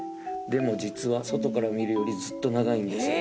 「でも実は外から見るよりずっと長いんですよ」